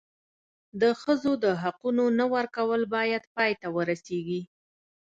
د ښځو د حقونو نه ورکول باید پای ته ورسېږي.